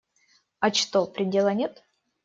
А что, предела нет?